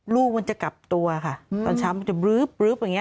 ลูกมันจะกลับตัวค่ะตอนเช้ามันจะบลื๊บอย่างนี้